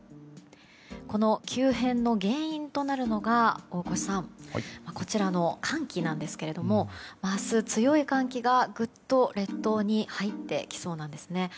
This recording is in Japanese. この急変の原因となるのがこちらの寒気ですが明日、強い寒気がぐっと列島に入ってきそうなんです。